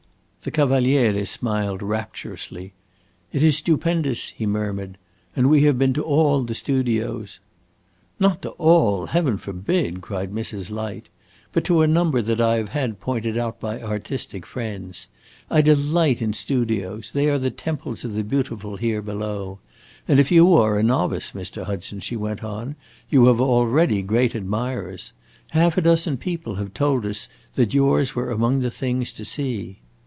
The Cavaliere smiled rapturously. "It is stupendous!" he murmured. "And we have been to all the studios." "Not to all heaven forbid!" cried Mrs. Light. "But to a number that I have had pointed out by artistic friends. I delight in studios: they are the temples of the beautiful here below. And if you are a novice, Mr. Hudson," she went on, "you have already great admirers. Half a dozen people have told us that yours were among the things to see."